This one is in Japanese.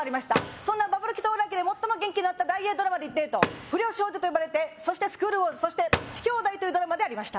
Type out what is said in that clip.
そんなバブル期到来期で最も元気だった大映ドラマってえと「不良少女とよばれて」そして「スクール・ウォーズ」そして「乳姉妹」というドラマでありました